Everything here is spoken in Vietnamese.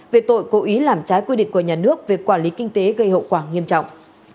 về tội cố ý làm trái quy định của nhà nước về quản lý kinh tế gây hậu quả nghiêm trọng